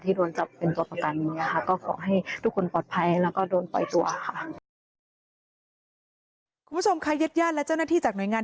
ที่โดนจับเป็นประกัน